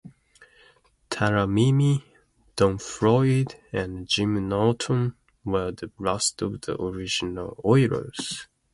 Talamini, Don Floyd and Jim Norton were the last of the original Oilers.